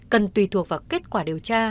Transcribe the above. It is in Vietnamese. cần tùy thuộc vào kết quả điều tra